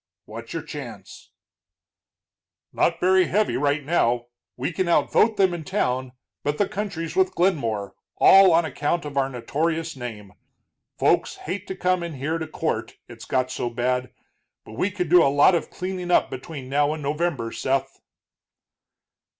"What's your chance?" "Not very heavy right now. We can out vote them in town, but the country's with Glenmore, all on account of our notorious name. Folks hate to come in here to court, it's got so bad. But we could do a lot of cleaning up between now and November, Seth."